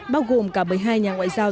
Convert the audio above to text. bao gồm cả một mươi hai nhà ngoại giao